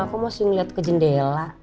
aku masih ngeliat ke jendela